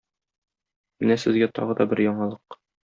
Менә сезгә тагы да бер яңалык.